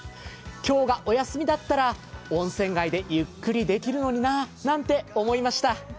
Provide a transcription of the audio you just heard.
今日がお休みだったら温泉街でゆっくりできるのにななんて思いました。